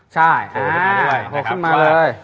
ใช่ขอขึ้นมาเลย